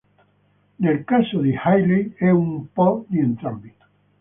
Nel caso di Hayley, è un po' di entrambi.